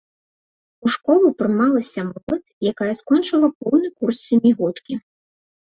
У школу прымалася моладзь, якая скончыла поўны курс сямігодкі.